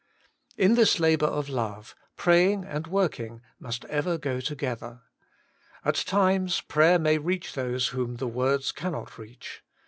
147 148 Working for God In this labour of love praying and work* ing must ever go together. At times prayer may reach those whom the words cannot reach.